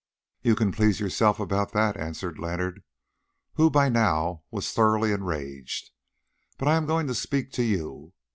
"You can please yourself about that," answered Leonard, who by now was thoroughly enraged, "but I am going to speak to you.